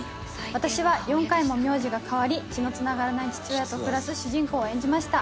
私は４回も名字が変わり血のつながらない父親と暮らす主人公を演じました。